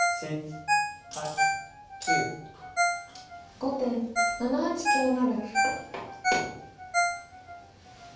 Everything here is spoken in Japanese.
後手７八香成。